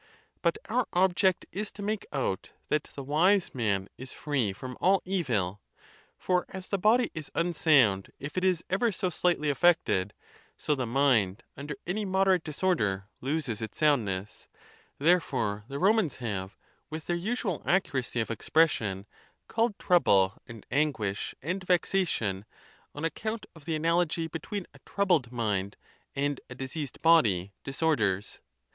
But our object is to make out that the wise man is free from all evil; for as the body is unsound if it is ever so slightly affected, so the mind under any moderate disorder loses its soundness; therefore the Romans have, with their usual accuracy of expression, called trouble, and anguish, and vexation, on account of the analogy between a troubled mind and a diseased body, disorders.